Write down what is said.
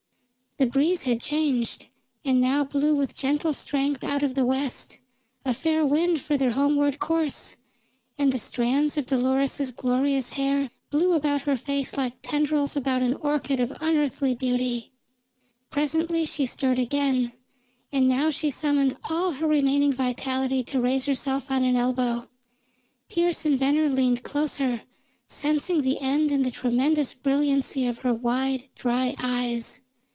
The breeze had changed, and now blew with gentle strength out of the west, a fair wind for their homeward course, and the strands of Dolores's glorious hair blew about her face like tendrils about an orchid of unearthly beauty. Presently she stirred again, and now she summoned all her remaining vitality to raise herself on an elbow. Pearse and Venner leaned closer, sensing the end in the tremendous brilliancy of her wide, dry eyes.